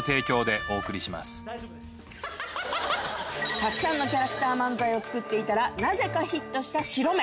たくさんのキャラクター漫才を作っていたらなぜかヒットした白目。